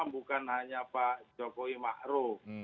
bukan hanya pak jokowi mahru